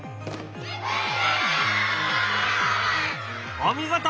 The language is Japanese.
お見事！